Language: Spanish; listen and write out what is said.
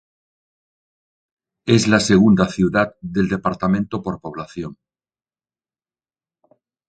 Es la segunda ciudad del departamento por población.